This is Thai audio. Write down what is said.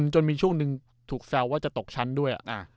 จนมีช่วงหนึ่งถูกแซวว่าจะตกชั้นด้วย